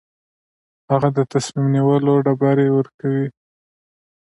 هغه د تصمیم نیولو ډبرې ورکوي.